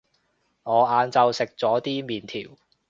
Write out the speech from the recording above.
我晏晝食咗啲麵條